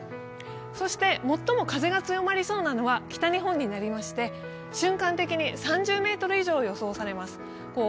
最も風が強まりそうなのは北日本になりまして瞬間的に３０メートル以上が予想されます。